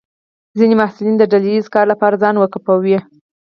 ځینې محصلین د ډله ییز کار لپاره ځان وقفوي.